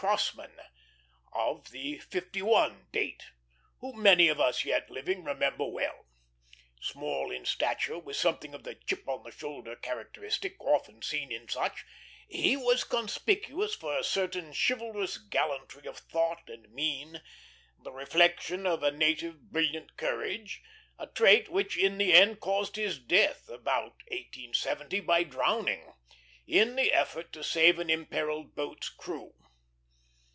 Crosman, of the '51 Date, whom many of us yet living remember well. Small in stature, with something of the "chip on the shoulder" characteristic, often seen in such, he was conspicuous for a certain chivalrous gallantry of thought and mien, the reflection of a native brilliant courage; a trait which in the end caused his death, about 1870, by drowning, in the effort to save an imperilled boat's crew.